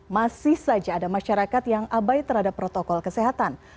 masih saja ada masyarakat yang abai terhadap protokol kesehatan